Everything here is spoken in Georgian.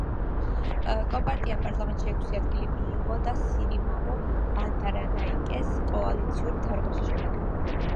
კომპარტიამ პარლამენტში ექვსი ადგილი მიიღო და სირიმავო ბანდარანაიკეს კოალიციურ მთავრობაში შევიდა.